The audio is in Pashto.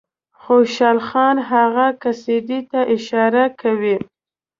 خوشحال خان هغه قصیدې ته اشاره کوي.